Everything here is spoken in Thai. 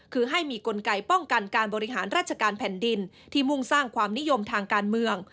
คือให้มีกลไกป้องกันการบริหารราชการแผ่นดินที่มุ่งสร้างความนิยมทางการเมือง